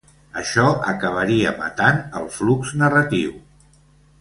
Això acabaria matant el flux narratiu.